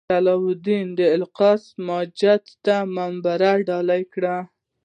سلطان صلاح الدین د الاقصی جومات ته منبر ډالۍ کړی.